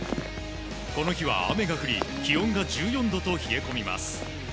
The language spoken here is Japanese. この日は雨が降り気温は１４度と冷え込みます。